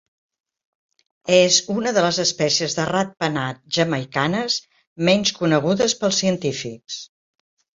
És una de les espècies de ratpenat jamaicanes menys conegudes pels científics.